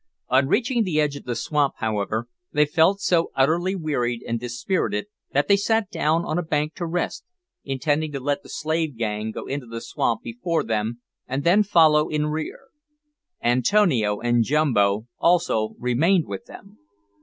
On reaching the edge of the swamp, however, they felt so utterly wearied and dis spirited that they sat down on a bank to rest, intending to let the slave gang go into the swamp before them and then follow in rear. Antonio and Jumbo also remained with them.